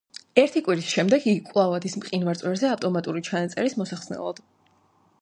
ერთი კვირის შემდეგ იგი კვლავ ადის მყინვარწვერზე ავტომატური ჩანაწერის მოსახსნელად.